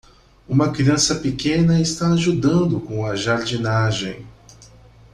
Uma criança pequena está ajudando com a jardinagem.